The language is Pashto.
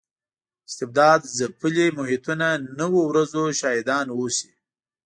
استبداد ځپلي محیطونه نویو ورځو شاهدان اوسي.